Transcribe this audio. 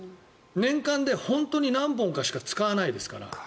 年間で本当に何本かしか使わないですから。